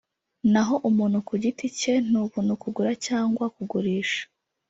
naho umuntu ku giti cye ni ubuntu kugura cyangwa kugurisha